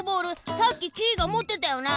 さっきキイがもってたよな？